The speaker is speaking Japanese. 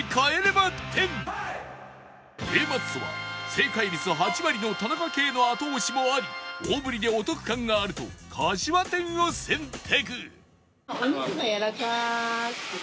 Ａ マッソは正解率８割の田中圭の後押しもあり大ぶりでお得感があるとかしわ天を選択